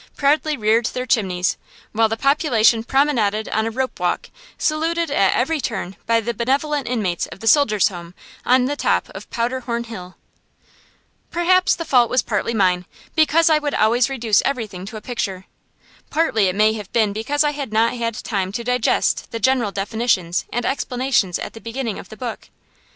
proudly reared their chimneys, while the population promenaded on a rope walk, saluted at every turn by the benevolent inmates of the Soldiers' Home on the top of Powderhorn Hill. Perhaps the fault was partly mine, because I always would reduce everything to a picture. Partly it may have been because I had not had time to digest the general definitions and explanations at the beginning of the book.